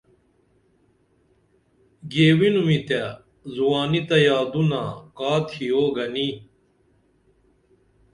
گیوینُم تے زوانی تہ یادونہ کا تِھیو گنی